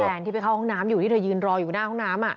ที่ไปเข้าห้องน้ำอยู่ที่เธอยืนรออยู่หน้าห้องน้ำ